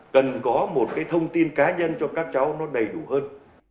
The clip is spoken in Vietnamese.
cần có một cái thông tin cá nhân cho các cháu nó đầy đủ hơn